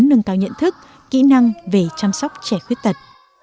nâng cao nhận thức kỹ năng về chăm sóc trẻ khuyết tật